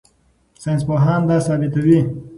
ساینسپوهان دا ثبتوي.